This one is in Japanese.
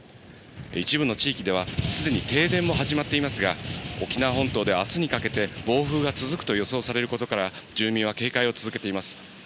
一部の地域では、すでに停電も始まっていますが、沖縄本島であすにかけて、暴風が続くと予想されることから、住民は警戒を続けています。